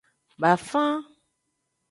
Bafan.